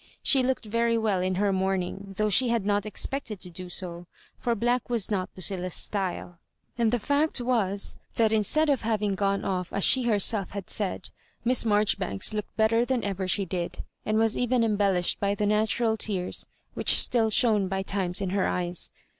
She looked very well in her mourn ing, though ^e had not expected to do so; for black was not Ludlla's style. And the fact was, tiiat instead of having gone off, as she herself said. Miss Marjoribanks looked better than ever she did, and was even embellished by the natu ral tears which still shone by times in her eyes.